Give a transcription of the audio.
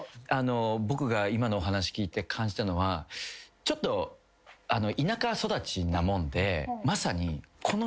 僕が今のお話聞いて感じたのはちょっと田舎育ちなもんで。